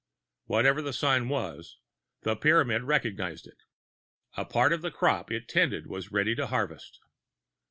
Whatever the sign was, the Pyramid recognized it. A part of the crop it tended was ready to harvest.